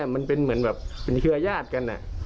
มันเป็นเหมือนเชื้อยาดกัน